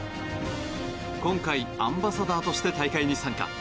今回、アンバサダーとして大会に参加。